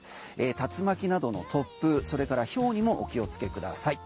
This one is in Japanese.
竜巻などの突風それからひょうにもお気をつけください。